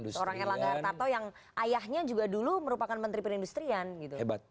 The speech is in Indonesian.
seorang erlangga hartarto yang ayahnya juga dulu merupakan menteri perindustrian gitu